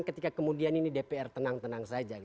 ketika kemudian ini dpr tenang tenang saja